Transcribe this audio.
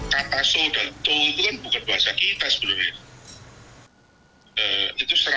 tata so dan to itu kan bukan bahasa kita sebenarnya